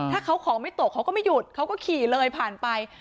ถ้าเขาของไม่ตกเขาก็ไม่หยุดเขาก็ขี่เลยผ่านไป